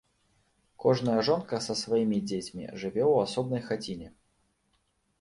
Кожная жонка са сваімі дзецьмі жыве ў асобнай хаціне.